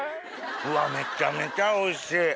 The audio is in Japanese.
うわっめちゃめちゃおいしい！